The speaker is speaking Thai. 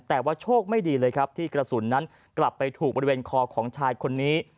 แต่ว่าโชคไม่ดีเลยครับที่กระสุนนั้นกลับไปถูกบริเวณคอของชายคนนี้